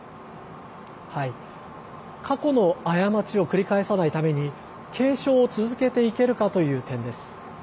過去の過ちを繰り返さないために継承を続けていけるかという点です。